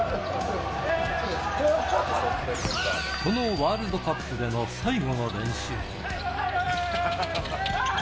このワールドカップでの最後の練習。